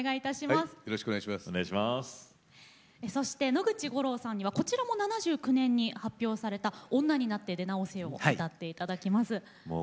野口五郎さんにはこちらも７９年に発表された「女になって出直せよ」を歌っていただきます。